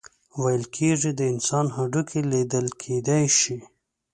ویل کیږي د انسان هډوکي لیدل کیدی شي.